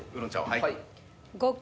はい。